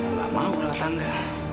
nggak mau lah tangga